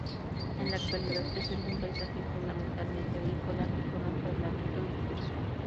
En la actualidad presenta un paisaje fundamentalmente agrícola y con un poblamiento disperso.